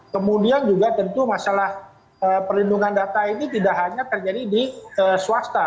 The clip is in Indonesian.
kemudian juga tentu masalah perlindungan data ini tidak hanya terjadi di swasta